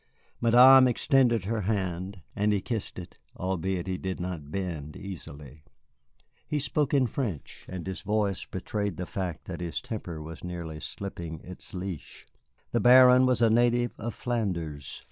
Madame extended her hand and he kissed it, albeit he did not bend easily. He spoke in French, and his voice betrayed the fact that his temper was near slipping its leash. The Baron was a native of Flanders.